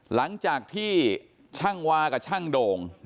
หลังจากที่ช่างวากับช่างโด่ง